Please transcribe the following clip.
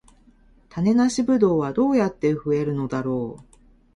種なしブドウはどうやって増えるのだろう